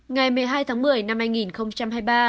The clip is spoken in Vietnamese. ngày một mươi hai tháng một mươi năm hai nghìn hai mươi ba